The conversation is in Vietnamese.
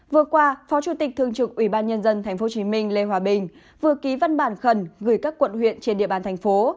vừa qua phó chủ tịch thương trực ubnd tp hcm lê hòa bình vừa ký văn bản khẩn gửi các quận huyện trên địa bàn thành phố